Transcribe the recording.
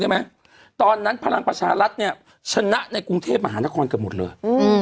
ตอนนั้นพลังประชารัฐเนี่ยชนะในกรุงเทพมหานครเกือบหมดเลย